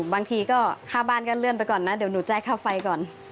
บางทีก็ค่าบ้านก็เลื่อนไปก่อนนะเดี๋ยวหนูจ่ายค่าไฟก่อน